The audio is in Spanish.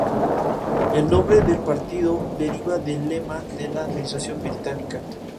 El nombre del partido deriva del lema de la administración británica.